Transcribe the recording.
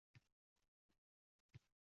Bunaqa – shaffof sharoitda